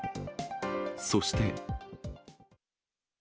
そして。